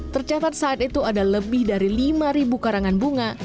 tercatat saat itu ada lebih dari lima karangan bunga